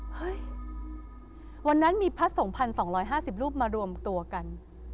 เฮ้ยวันนั้นมีพระสงฆ์๑๒๕๐รูปมารวมตัวกัน